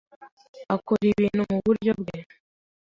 akora ibintu muburyo bwe.